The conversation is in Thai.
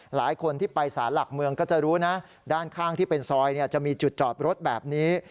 หลายคนที่ไปสารหลักเมืองก็จะรู้นะด้านข้างที่เป็นซอยจะมีจุดจอดรถแบบนี้